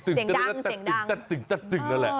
เสียงดังแหละ